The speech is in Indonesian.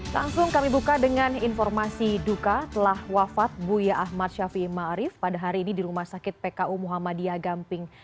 langsung kami buka dengan informasi duka telah wafat buya ahmad syafi ma'arif pada hari ini di rumah sakit pku muhammadiyah gamping